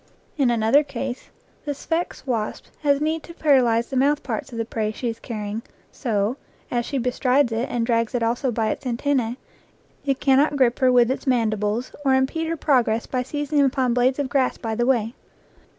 In another case the Sphex wasp has need to para lyze the mouth parts of the prey she is carrying, so, as she bestrides it and drags it also by its antennae, it cannot grip her with its mandibles or impede her progress by seizing upon blades of grass by the way.